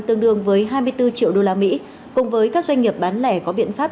tương đương với hai mươi bốn triệu đô la mỹ cùng với các doanh nghiệp bán lẻ có biện pháp